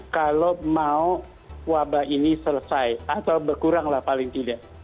kalau mau wabah ini selesai atau berkurang lah paling tidak